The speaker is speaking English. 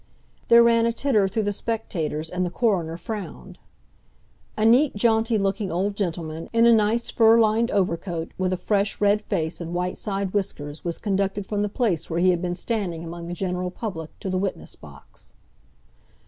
There ran a titter though the spectators, and the coroner frowned. A neat, jaunty looking old gentleman, in a nice fur lined overcoat, with a fresh, red face and white side whiskers, was conducted from the place where he had been standing among the general public, to the witness box.